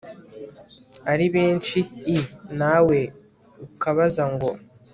ari benshi i nawe ukabaza ngo